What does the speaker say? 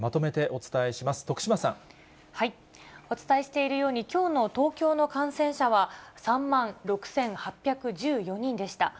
お伝えしているように、きょうの東京の感染者は３万６８１４人でした。